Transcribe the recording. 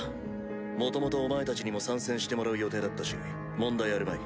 元々お前たちにも参戦してもらう予定だったし問題あるまい。